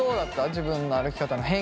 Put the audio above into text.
自分の歩き方の変化。